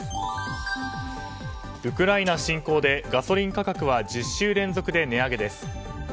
ウクライナ侵攻でガソリン価格は１０週連続で値上げです。